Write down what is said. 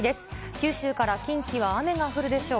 九州から近畿は雨が降るでしょう。